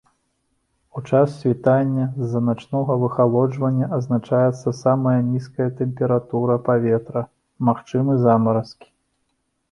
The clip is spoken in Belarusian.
У час світання з-за начнога выхалоджвання адзначаецца самая нізкая тэмпература паветра, магчымы замаразкі.